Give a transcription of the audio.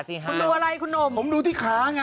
ฟินแลนด์เค้าให้ขนมมา